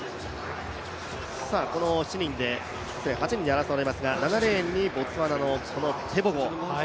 この８人で争われますが、７レーンにボツワナのテボゴ。